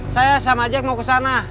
saya sama ajak mau ke sana